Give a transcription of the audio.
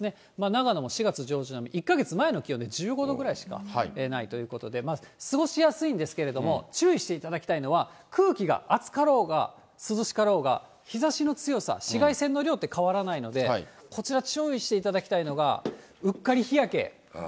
長野も４月上旬、１か月前の気温で１５度ぐらいしかないということで、過ごしやすいんですけれども、注意していただきたいのは、空気が暑かろうが、涼しかろうが、日ざしの強さ、紫外線の量って変わらないので、こちら、注意していただきたいのが、うっかり日焼け。